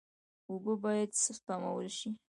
اوبه باید سپمول شي.